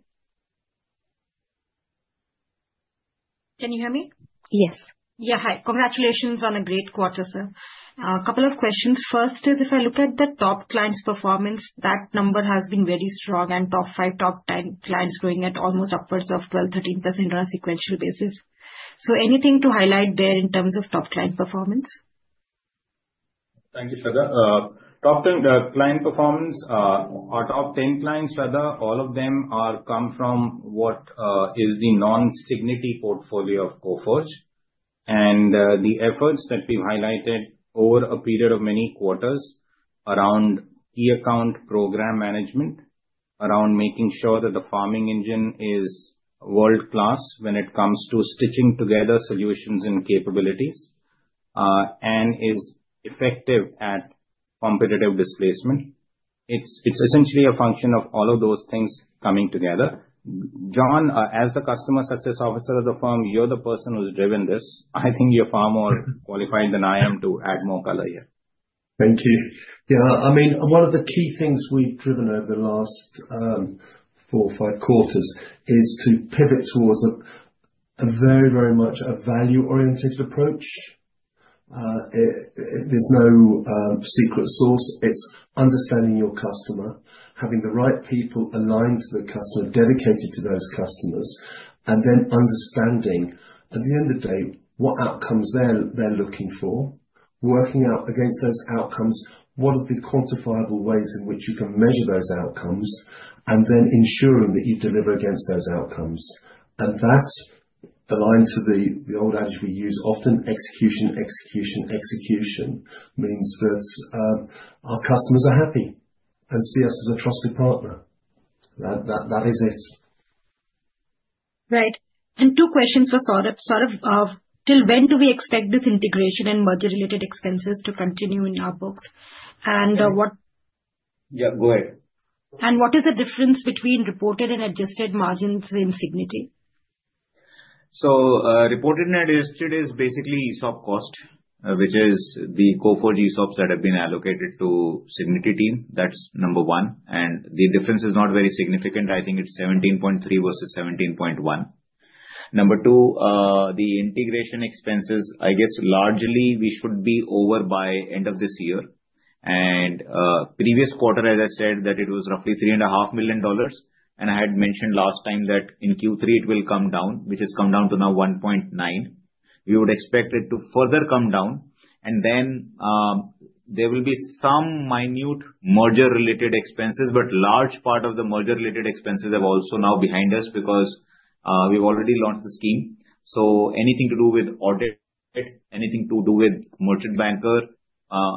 Can you hear me? Yes. Yeah. Hi. Congratulations on a great quarter, sir. A couple of questions. First is, if I look at the top clients' performance, that number has been very strong, and top five, top 10 clients growing at almost upwards of 12%-13% on a sequential basis. So anything to highlight there in terms of top client performance? Thank you, Shraddha. Top 10 client performance, our top 10 clients, Shraddha, all of them come from what is the non-Cigniti portfolio of Coforge. And the efforts that we've highlighted over a period of many quarters around key account program management, around making sure that the farming engine is world-class when it comes to stitching together solutions and capabilities, and is effective at competitive displacement. It's essentially a function of all of those things coming together. John, as the Customer Success Officer of the firm, you're the person who's driven this. I think you're far more qualified than I am to add more color here. Thank you. Yeah. I mean, one of the key things we've driven over the last four or five quarters is to pivot towards a very, very much a value-oriented approach. There's no secret sauce. It's understanding your customer, having the right people aligned to the customer, dedicated to those customers, and then understanding, at the end of the day, what outcomes they're looking for, working out against those outcomes, what are the quantifiable ways in which you can measure those outcomes, and then ensuring that you deliver against those outcomes, and that's aligned to the old adage we use often, "Execution, execution, execution," means that our customers are happy and see us as a trusted partner. That is it. Right, and two questions for Saurabh. Saurabh, till when do we expect this integration and merger-related expenses to continue in our books? And what. Yeah. Go ahead. What is the difference between reported and adjusted margins in Cigniti? Reported and adjusted is basically ESOP cost, which is the Coforge ESOPs that have been allocated to Cigniti team. That's number one. And the difference is not very significant. I think it's 17.3 versus 17.1. Number two, the integration expenses, I guess, largely we should be over by end of this year. And previous quarter, as I said, that it was roughly $3.5 million. And I had mentioned last time that in Q3, it will come down, which has come down to now $1.9 million. We would expect it to further come down. And then there will be some minute merger-related expenses, but large part of the merger-related expenses have also now behind us because we've already launched the scheme. So anything to do with audit, anything to do with merchant banker,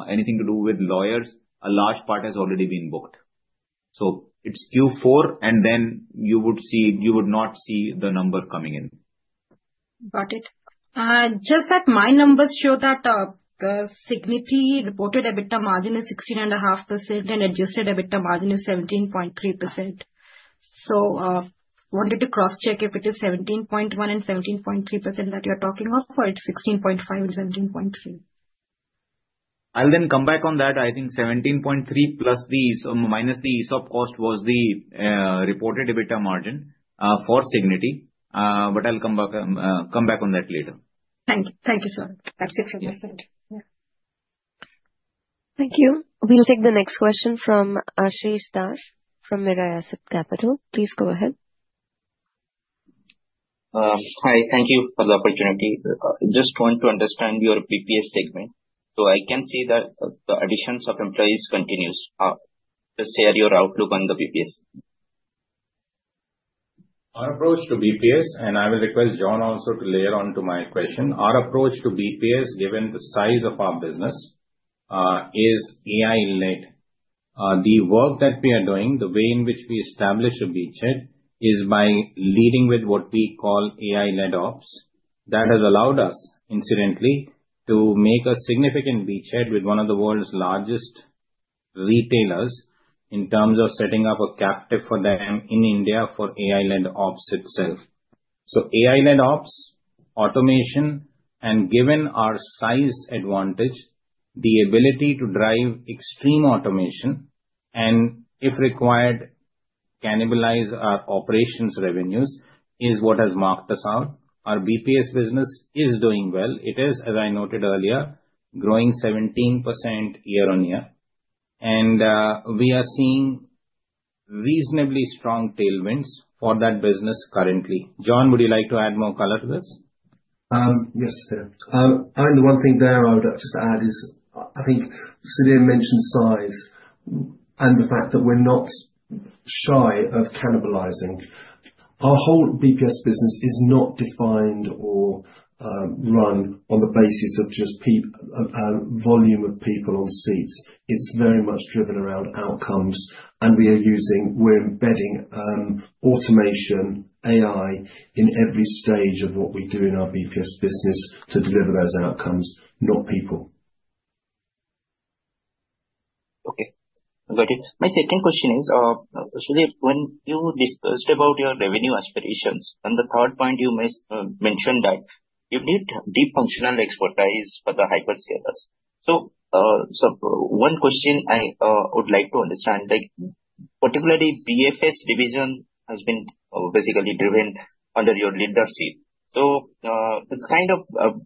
anything to do with lawyers, a large part has already been booked. So it's Q4, and then you would not see the number coming in. Got it. Just that my numbers show that the Cigniti reported EBITDA margin is 16.5% and adjusted EBITDA margin is 17.3%. So wanted to cross-check if it is 17.1 and 17.3% that you're talking of, or it's 16.5 and 17.3? I'll then come back on that. I think 17.3% plus or minus the ESOP cost was the reported EBITDA margin for Cigniti. But I'll come back on that later. Thank you. Thank you, sir. That's it from my side. Yeah. Thank you. We'll take the next question from Ashish Das from Mirae Asset Capital. Please go ahead. Hi. Thank you for the opportunity. Just want to understand your BPS segment. So I can see that the additions of employees continues. Just share your outlook on the BPS. Our approach to BPS, and I will request John also to layer onto my question. Our approach to BPS, given the size of our business, is AI-led. The work that we are doing, the way in which we establish a beachhead is by leading with what we call AI-led ops. That has allowed us, incidentally, to make a significant beachhead with one of the world's largest retailers in terms of setting up a captive for them in India for AI-led ops itself. So AI-led ops, automation, and given our size advantage, the ability to drive extreme automation and, if required, cannibalize our operations revenues is what has marked us out. Our BPS business is doing well. It is, as I noted earlier, growing 17% year on year. And we are seeing reasonably strong tailwinds for that business currently. John, would you like to add more color to this? Yes, sir. I mean, the one thing there I would just add is, I think Sudhir mentioned size and the fact that we're not shy of cannibalizing. Our whole BPS business is not defined or run on the basis of just volume of people on seats. It's very much driven around outcomes. And we're embedding automation, AI, in every stage of what we do in our BPS business to deliver those outcomes, not people. Okay. Got it. My second question is, Sudhir, when you discussed about your revenue aspirations, and the third point you mentioned that you did deep functional expertise for the hyperscalers. So one question I would like to understand, particularly BFS division has been basically driven under your leadership. So it's kind of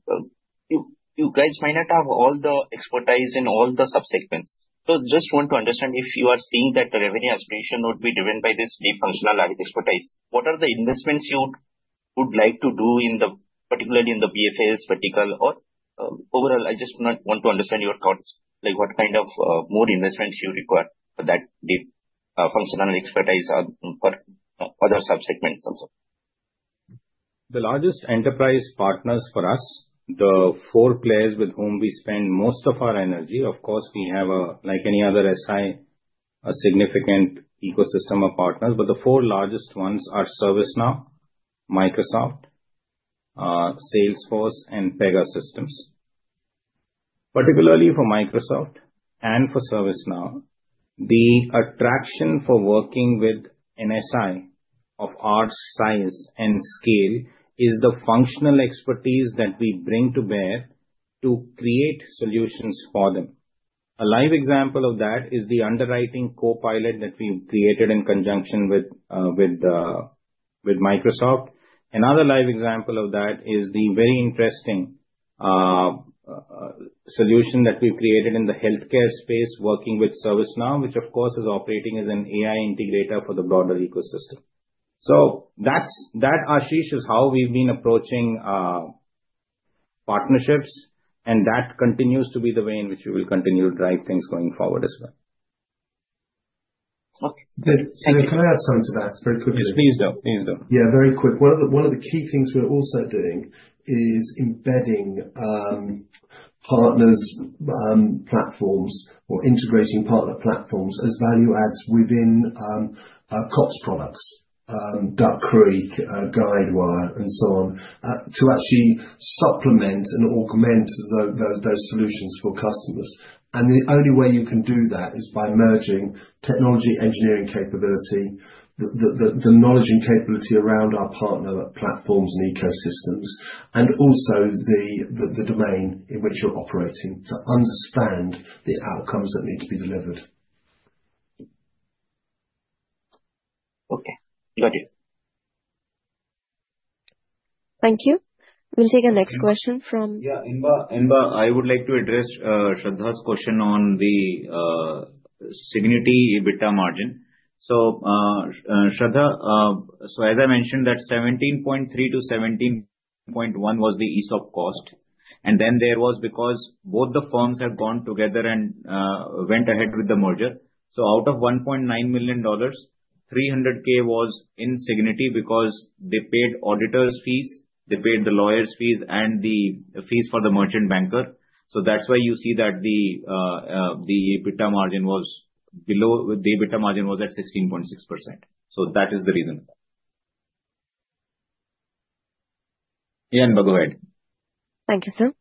you guys might not have all the expertise in all the subsegments. So just want to understand if you are seeing that the revenue aspiration would be driven by this deep functional expertise. What are the investments you would like to do, particularly in the BFS vertical or overall? I just want to understand your thoughts, what kind of more investments you require for that deep functional expertise or other subsegments also. The largest enterprise partners for us, the four players with whom we spend most of our energy, of course, we have, like any other SI, a significant ecosystem of partners. But the four largest ones are ServiceNow, Microsoft, Salesforce, and Pegasystems. Particularly for Microsoft and for ServiceNow, the attraction for working with an SI of our size and scale is the functional expertise that we bring to bear to create solutions for them. A live example of that is the underwriting Copilot that we've created in conjunction with Microsoft. Another live example of that is the very interesting solution that we've created in the healthcare space, working with ServiceNow, which, of course, is operating as an AI integrator for the broader ecosystem. So that, Ashish, is how we've been approaching partnerships. That continues to be the way in which we will continue to drive things going forward as well. Okay. Can I add something to that? Very quickly. Yes, please do. Please do. Yeah. Very quick. One of the key things we're also doing is embedding partners' platforms or integrating partner platforms as value adds within core products, Duck Creek, Guidewire, and so on, to actually supplement and augment those solutions for customers. And the only way you can do that is by merging technology, engineering capability, the knowledge and capability around our partner platforms and ecosystems, and also the domain in which you're operating to understand the outcomes that need to be delivered. Okay. Got it. Thank you. We'll take a next question from. Yeah. In fact, I would like to address Shraddha's question on the Cigniti EBITDA margin. So Shraddha, so as I mentioned, that 17.3%-17.1% was the ESOP cost. And then there was because both the firms have gone together and went ahead with the merger. So out of $1.9 million, $300,000 was in Cigniti because they paid auditors' fees, they paid the lawyers' fees, and the fees for the merchant banker. So that's why you see that the EBITDA margin was below. The EBITDA margin was at 16.6%. So that is the reason. Yeah. And go ahead. Thank you, sir.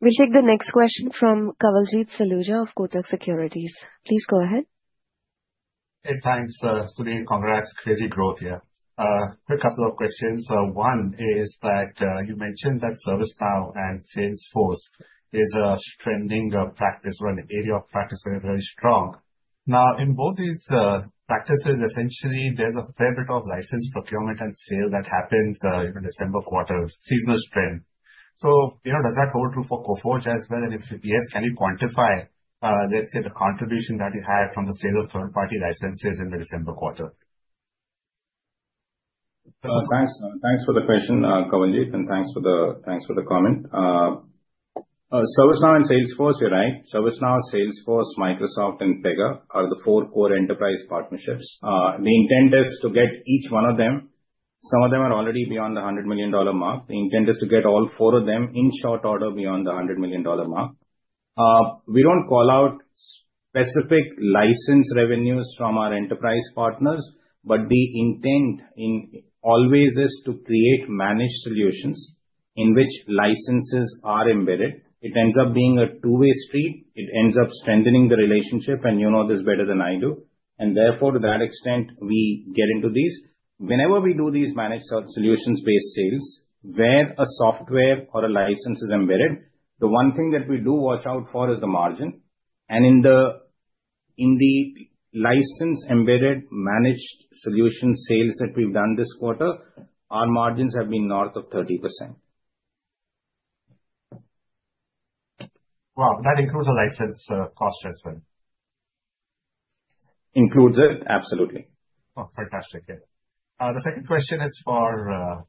We'll take the next question from Kawaljeet Saluja of Kotak Securities. Please go ahead. Hey. Thanks, Sudhir. Congrats. Crazy growth here. Quick couple of questions. One is that you mentioned that ServiceNow and Salesforce is a trending practice or an area of practice where it's very strong. Now, in both these practices, essentially, there's a fair bit of license procurement and sale that happens in the December quarter, seasonal trend. So does that hold true for Coforge as well? And if yes, can you quantify, let's say, the contribution that you had from the sale of third-party licenses in the December quarter? Thanks for the question, Kawaljeet, and thanks for the comment. ServiceNow and Salesforce, you're right. ServiceNow, Salesforce, Microsoft, and Pega are the four core enterprise partnerships. The intent is to get each one of them. Some of them are already beyond the $100 million mark. The intent is to get all four of them in short order beyond the $100 million mark. We don't call out specific license revenues from our enterprise partners, but the intent always is to create managed solutions in which licenses are embedded. It ends up being a two-way street. It ends up strengthening the relationship, and you know this better than I do. And therefore, to that extent, we get into these. Whenever we do these managed solutions-based sales where a software or a license is embedded, the one thing that we do watch out for is the margin. In the license-embedded managed solution sales that we've done this quarter, our margins have been north of 30%. Wow. That includes a license cost as well. Includes it. Absolutely. Oh, fantastic. Yeah. The second question is for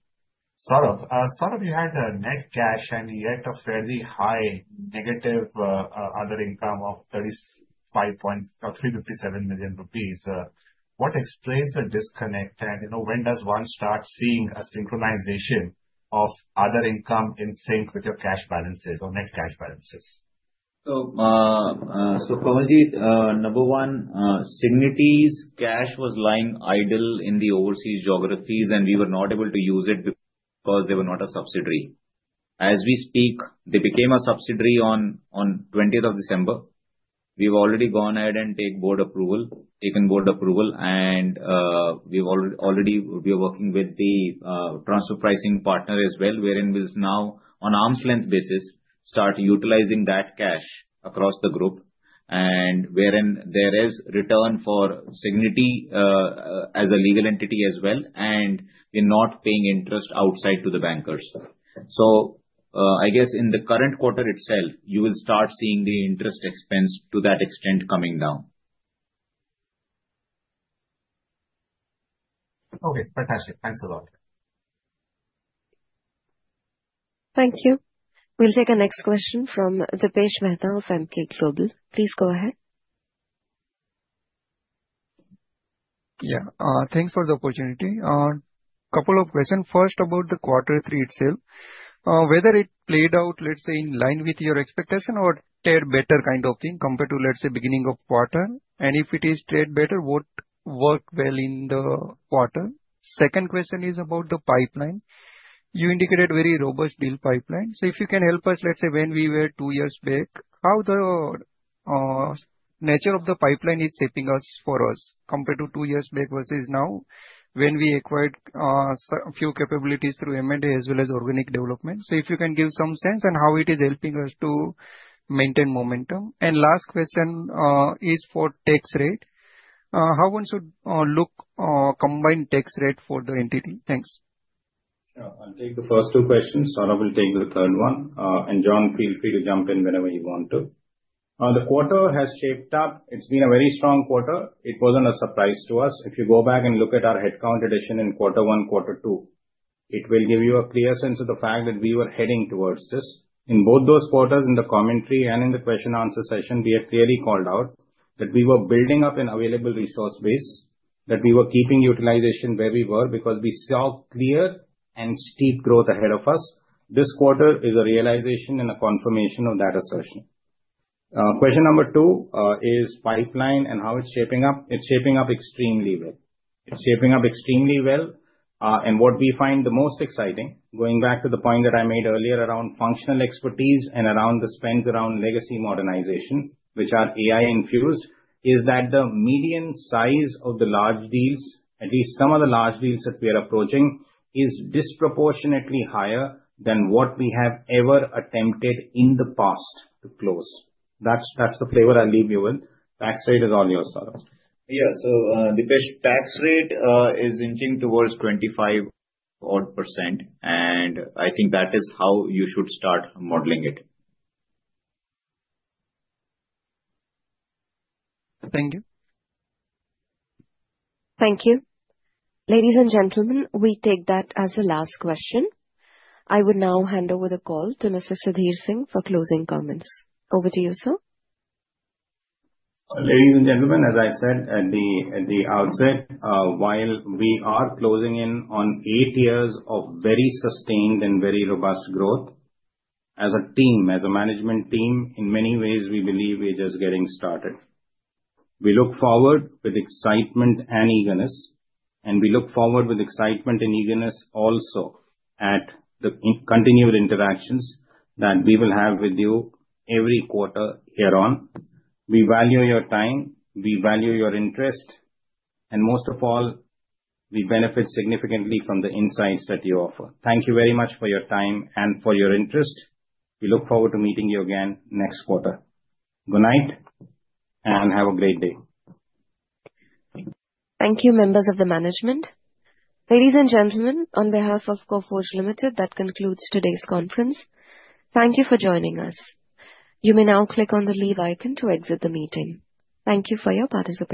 Saurabh. Saurabh, you had net cash and yet a fairly high negative other income of 35.357 million rupees. What explains the disconnect? And when does one start seeing a synchronization of other income in sync with your cash balances or net cash balances? So Kawaljeet, number one, Cigniti's cash was lying idle in the overseas geographies, and we were not able to use it because they were not a subsidiary. As we speak, they became a subsidiary on 20th of December. We've already gone ahead and taken board approval. And we're already working with the transfer pricing partner as well, wherein we'll now, on arm's length basis, start utilizing that cash across the group, and wherein there is return for Cigniti as a legal entity as well, and we're not paying interest outside to the bankers. So I guess in the current quarter itself, you will start seeing the interest expense to that extent coming down. Okay. Fantastic. Thanks a lot. Thank you. We'll take a next question from Dipesh Mehta of Emkay Global. Please go ahead. Yeah. Thanks for the opportunity. A couple of questions. First, about the quarter three itself, whether it played out, let's say, in line with your expectation or turned better kind of thing compared to, let's say, beginning of quarter. And if it is turned better, what worked well in the quarter? Second question is about the pipeline. You indicated very robust deal pipeline. So if you can help us, let's say, when we were two years back, how the nature of the pipeline is shaping up for us compared to two years back versus now when we acquired a few capabilities through M&A as well as organic development? So if you can give some sense on how it is helping us to maintain momentum. And last question is for tax rate. How one should look at combined tax rate for the entity? Thanks. Sure. I'll take the first two questions. Saurabh will take the third one. And John, feel free to jump in whenever you want to. The quarter has shaped up. It's been a very strong quarter. It wasn't a surprise to us. If you go back and look at our headcount addition in quarter one, quarter two, it will give you a clear sense of the fact that we were heading towards this. In both those quarters, in the commentary and in the question-answer session, we had clearly called out that we were building up an available resource base, that we were keeping utilization where we were because we saw clear and steep growth ahead of us. This quarter is a realization and a confirmation of that assertion. Question number two is pipeline and how it's shaping up. It's shaping up extremely well. It's shaping up extremely well. And what we find the most exciting, going back to the point that I made earlier around functional expertise and around the spends around legacy modernization, which are AI-infused, is that the median size of the large deals, at least some of the large deals that we are approaching, is disproportionately higher than what we have ever attempted in the past to close. That's the flavor I'll leave you with. Tax rate is all yours, Saurabh. Yeah. So Dipesh, tax rate is inching towards 25.4%. And I think that is how you should start modeling it. Thank you. Thank you. Ladies and gentlemen, we take that as a last question. I would now hand over the call to Mr. Sudhir Singh for closing comments. Over to you, sir. Ladies and gentlemen, as I said at the outset, while we are closing in on eight years of very sustained and very robust growth, as a team, as a management team, in many ways, we believe we're just getting started. We look forward with excitement and eagerness. And we look forward with excitement and eagerness also at the continued interactions that we will have with you every quarter hereon. We value your time. We value your interest. And most of all, we benefit significantly from the insights that you offer. Thank you very much for your time and for your interest. We look forward to meeting you again next quarter. Good night and have a great day. Thank you, members of the management. Ladies and gentlemen, on behalf of Coforge Limited, that concludes today's conference. Thank you for joining us. You may now click on the leave icon to exit the meeting. Thank you for your participation.